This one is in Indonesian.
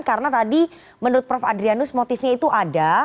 karena tadi menurut prof adrianus motifnya itu ada